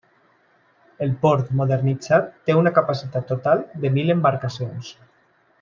El port modernitzat té una capacitat total de mil embarcacions.